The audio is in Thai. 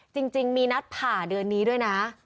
จริงมีนัดผ่าเดือนนี้ด้วยนะ